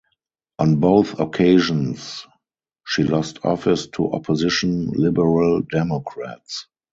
On both occasions, she lost office to opposition Liberal Democrats.